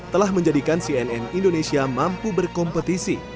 telah menjadikan cnn indonesia mampu berkompetisi